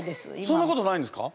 そんなことないんですか？